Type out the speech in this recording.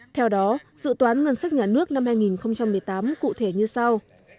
theo đó dự toán ngân sách nhà nước năm hai nghìn một mươi tám cụ thể như sau